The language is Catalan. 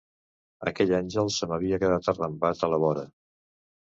Aquell àngel se m’havia quedat arrambat a la vora.